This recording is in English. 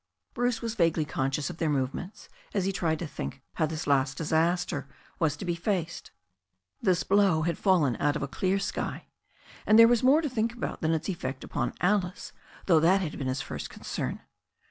Bruce was vaguely conscious of their movements as he tried to think how this last disaster was to be faced. This blow had fallen out of a clear sky, and there was more to think about than its effect upon Alice, though that had been his first concern.